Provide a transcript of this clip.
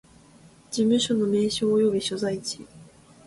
事務所の名称及び所在地